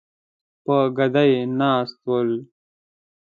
پر ګدۍ ناست ول.